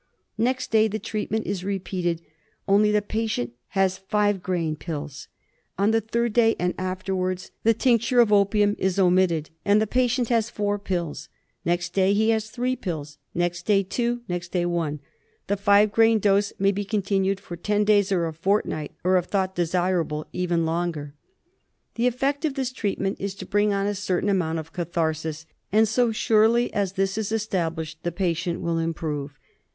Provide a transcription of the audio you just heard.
Next day the treatment is repeated, only the patient has 5 five grain pills. On the third day and afterwards 204 TREATMENT OF the tincture of opium is omitted and the patient has 4 pills. Next day he has 3 pills ; next day 2 ; next day I. The five grain dose may be continued for ten days or a fortnight, or, if thought desirable, even longer. The effect of this treatment is to bring on a certain amount of catharsis, and so surely as this is established the patient will improve.